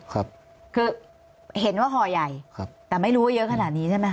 คือเห็นว่าหอใหญ่แต่ไม่รู้ว่าจะเยอะขนาดนี้ใช่ไหม